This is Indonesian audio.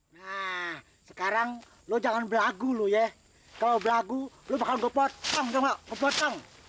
nah sekarang lo jangan berlagu lo ya kalau berlagu lo bakal ngepotong ngepotong